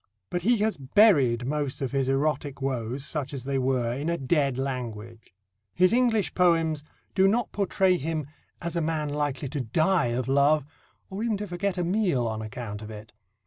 But he has buried most of his erotic woes, such as they were, in a dead language. His English poems do not portray him as a man likely to die of love, or even to forget a meal on account of it.